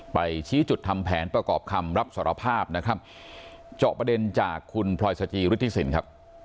ไปชี้จุดทำแผนประกอบคำรับสอรภาพจอประเด็นจากคุณพรอยซาจีฤทธิสินค่ะ